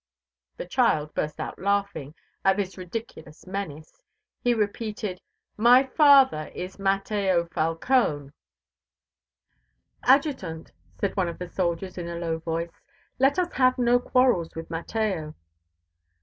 The child burst out laughing at this ridiculous menace. He repeated: "My father is Mateo Falcone." "Adjutant," said one of the soldiers in a low voice, "let us have no quarrels with Mateo."